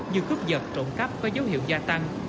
như khúc giật trộn cắp có dấu hiệu gia tăng